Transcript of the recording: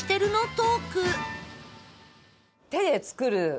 トーク